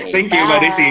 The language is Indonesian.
thank you mbak desi